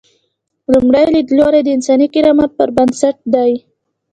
لومړی لیدلوری د انساني کرامت پر بنسټ دی.